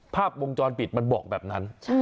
ภาพวงจรปิดมันบอกแบบนั้น